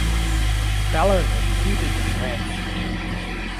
Belle recruited Rev.